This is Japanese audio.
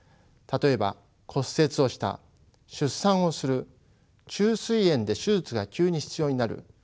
例えば骨折をした出産をする虫垂炎で手術が急に必要になる。